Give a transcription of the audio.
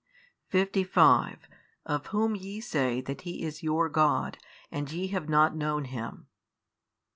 55 Of Whom YE say that He is your God and ye have not known Him.